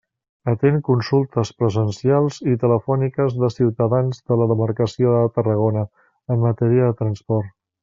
Atén consultes presencials i telefòniques de ciutadans de la demarcació de Tarragona en matèria de transports.